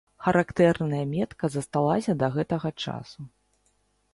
Характэрная метка засталася да гэтага часу.